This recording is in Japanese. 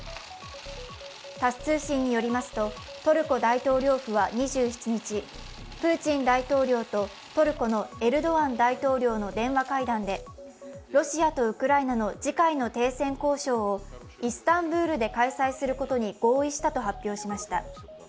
タス通信によりますと、トルコ大統領府は２７日、プーチン大統領とトルコのエルドアン大統領の電話会談でロシアとウクライナの次回の停戦交渉をイスタンブールで開催することに合意したと発表しました。